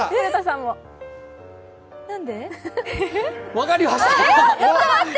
分かりました！